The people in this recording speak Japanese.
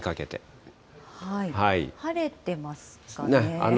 晴れてますかね。